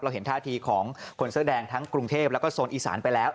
เห็นท่าทีของคนเสื้อแดงทั้งกรุงเทพแล้วก็โซนอีสานไปแล้ว